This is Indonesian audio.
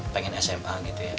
pengen sma gitu ya